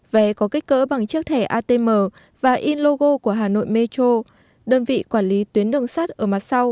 vé có kích cỡ bằng chiếc thẻ atm và in logo của hà nội metro